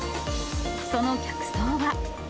その客層は。